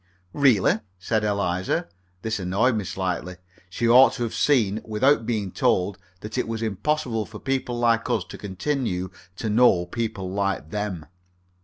"Really?" said Eliza. This annoyed me slightly. She ought to have seen, without being told, that it was impossible for people like us to continue to know people like them.